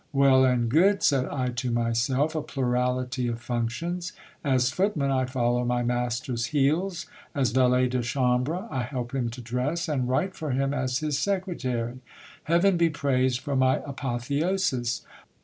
Well and good ! said I to myself, a plurality of functions. As footman, I follow my master's heels; as valet de chambre, I help him to dress ; GIL BLAS WRITES FICTITIOUS LOVE LETTERS. 101 and write for him as his secretary. Heaven be praised for my apotheosis